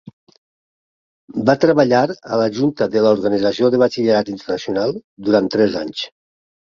Va treballar a la junta de l'Organització de Batxillerat Internacional durant tres anys.